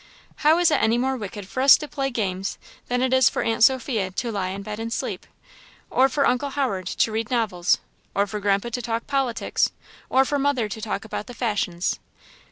How is it any more wicked for us to play games than it is for Aunt Sophia to lie a bed and sleep, or for Uncle Howard to read novels, or for Grandpa to talk politics, or for mother to talk about the fashions?